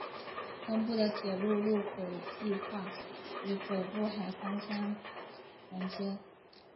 东部的铁路路轨计画与北部海滩相联接。